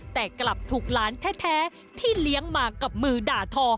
แต่กลับถูกหลานแท้ที่เลี้ยงมากับมือด่าทอ